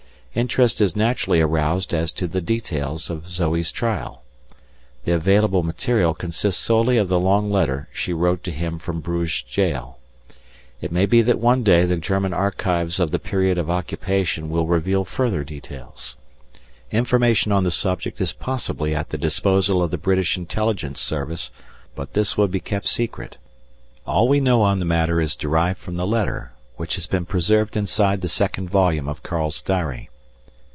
Interest is naturally aroused as to the details of Zoe's trial. The available material consists solely of the long letter she wrote to him from Bruges jail. It may be that one day the German archives of the period of occupation will reveal further details. Information on the subject is possibly at the disposal of the British Intelligence Service, but this would be kept secret. All we know on the matter is derived from the letter, which has been preserved inside the second volume of Karl's diary.